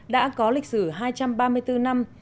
đã có lịch sử hai trăm ba mươi bốn năm